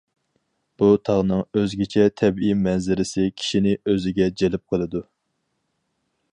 بۇ تاغنىڭ ئۆزگىچە تەبىئىي مەنزىرىسى كىشىنى ئۆزىگە جەلپ قىلىدۇ.